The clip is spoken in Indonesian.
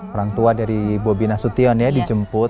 orang tua dari bobi nasution ya dijemput